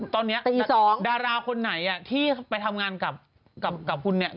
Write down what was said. ตอนนี้ดาราคนไหนที่ไปทำงานกับคุณเนี่ย